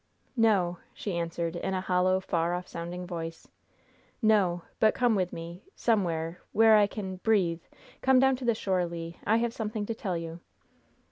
"No!" she answered, in a hollow, far off sounding voice. "No! But come with me somewhere where I can breathe! Come down to the shore, Le. I have something to tell you."